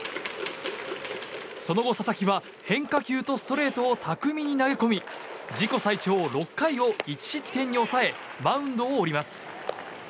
その後、佐々木は変化球とストレートを巧みに投げ込み自己最長６回を１失点に抑えマウンドを降ります。